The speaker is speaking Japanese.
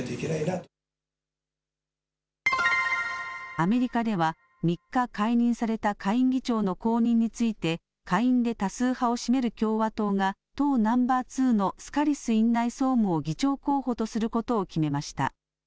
アメリカでは３日、解任された下院議長の後任について下院で多数派を占める共和党が党ナンバー２のスカリス院内総務を議長候補とすることを決めました。